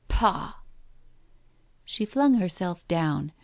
Pah !" She flung herself down.